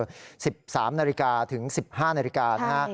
คือ๑๓นาฬิกาถึง๑๕นาฬิกานะฮะ